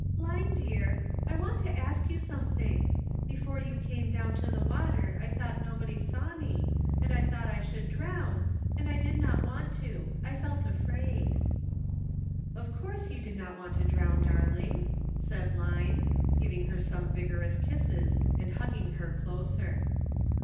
"Line, dear, I want to ask you something. Before you came down to the water I thought nobody saw me, and I thought I should drown, and I did not want to ; I felt afraid." "Of course you did not want to drown, dar ling," said Line, giving her some vigorous kisses and hugging her closer.